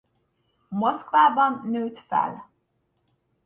Moszkvában nőtt fel.